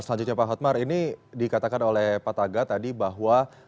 selanjutnya pak hotmar ini dikatakan oleh pak taga tadi bahwa